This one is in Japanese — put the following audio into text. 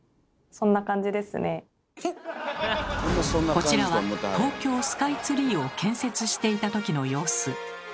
こちらは東京スカイツリーを建設していた時の様子。